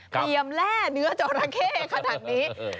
เตรียมแล่เนื้อจราเข้ขนาดนี้